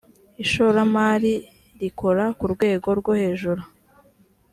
ishoramari rikora kurwego rwohejuru.